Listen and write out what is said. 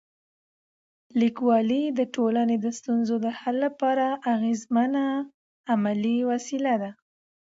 لیکوالی د ټولنې د ستونزو د حل لپاره اغېزمن او عملي وسیله ده.